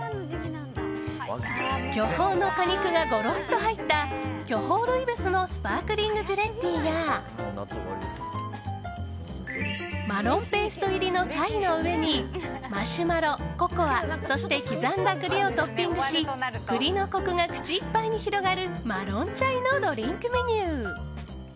巨峰の果肉がゴロッと入った巨峰ルイボスのスパークリングジュレッティーやマロンペースト入りのチャイの上にマシュマロ、ココアそして刻んだ栗をトッピングし栗のコクが口いっぱいに広がるマロンチャイのドリンクメニュー。